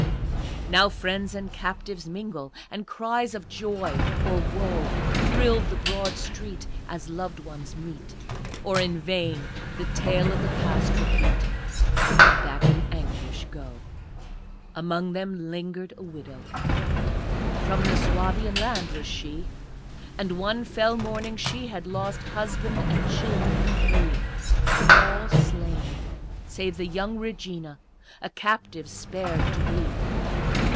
Now friends and captives mingle, And cries of joy or woe Thrill the broad street as loved ones meet, Or in vain the tale of the past repeat, And back in anguish go. Among them lingered a widow From the Suabian land was she And one fell morning she had lost Husband and children three, All slain save the young Regina, A captive spared to be.